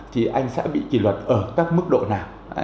thì anh sẽ bị kỷ luật ở các mức độ nào